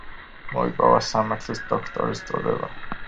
მოიპოვა სამართლის დოქტორის წოდება.